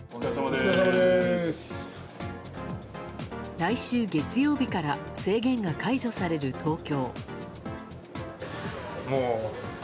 来週月曜日から制限が解除される東京。